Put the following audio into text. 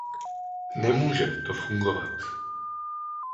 Nemůže to fungovat.